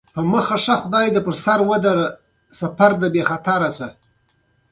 چې د ډونالډ ټرمپ د دوه زره یویشتم کال